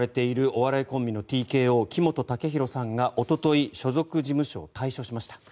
お笑いコンビのＴＫＯ木本武宏さんがおととい所属事務所を退所しました。